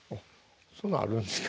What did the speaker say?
そんなんあるんすか？